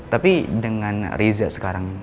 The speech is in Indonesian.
tapi dengan risa sekarang